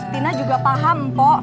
tina juga paham po